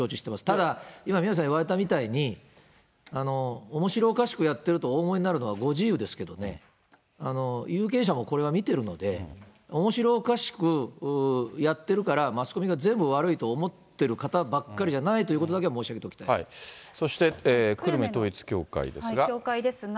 ただ、今、宮根さん言われたみたいに、おもしろおかしくやっているとお思いになるのはご自由ですけどね、有権者もこれは見てるので、おもしろおかしくやってるから、マスコミが全部悪いと思ってる方ばかりじゃないということだけはそして久留米統一教会ですが。